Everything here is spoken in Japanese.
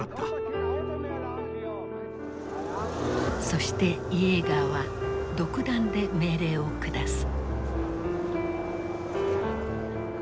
そしてイエーガーは独断で命令を下す。